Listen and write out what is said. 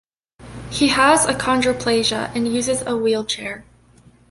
He has achondroplasia and uses a wheelchair.